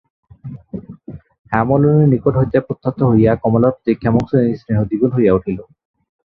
হেমনলিনীর নিকট হইতে প্রত্যাহত হইয়া কমলার প্রতি ক্ষেমংকরীর স্নেহ দ্বিগুণ হইয়া উঠিল।